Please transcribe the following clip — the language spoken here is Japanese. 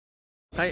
はい。